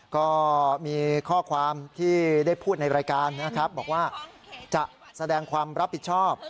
ก็มีข้อความที่ได้พูดในรายการนะครับ